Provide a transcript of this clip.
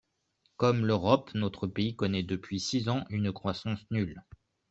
Comme l’Europe, notre pays connaît depuis six ans une croissance nulle.